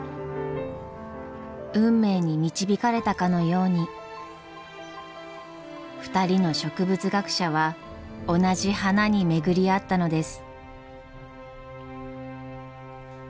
運命に導かれたかのように２人の植物学者は同じ花に巡り会ったのです。